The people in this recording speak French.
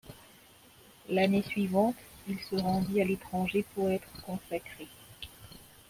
L'année suivante, il se rendit à l'étranger pour être consacré.